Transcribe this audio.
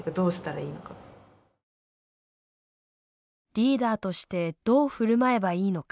リーダーとしてどう振る舞えばいいのか。